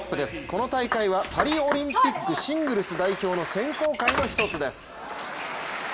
この大会はパリオリンピックシングルス代表の選考会の一つです。